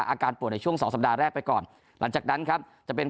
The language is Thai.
อาการป่วยในช่วงสองสัปดาห์แรกไปก่อนหลังจากนั้นครับจะเป็น